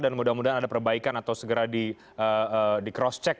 dan mudah mudahan ada perbaikan atau segera di crosscheck